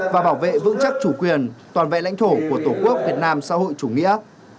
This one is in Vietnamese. và bảo vệ vững chắc chủ quyền toàn vẹn lãnh thổ của tổ quốc việt nam xã hội chủ nghĩa